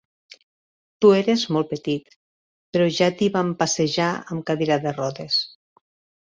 Tu eres molt petit, però ja t'hi vam passejar amb cadira de rodes.